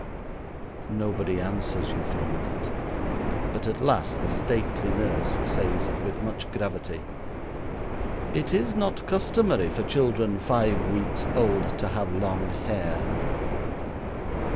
Nobody answers you for a minute, but at last the stately nurse says with much gravity: "It is not customary for children five weeks old to have long hair."